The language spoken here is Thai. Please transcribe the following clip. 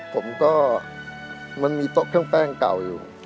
ผมก็มันมีโต๊ะเครื่องแป้งเก่าอยู่